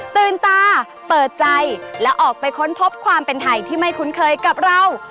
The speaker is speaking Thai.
ตื่นตาเปิดใจและออกไปค้นพบความเป็นไทยที่ไม่คุ้นเคยกับเรา